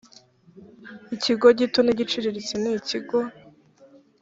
ikigo gito n igiciriritse ni ikigo